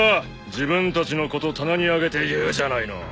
自分たちのこと棚に上げて言うじゃないの。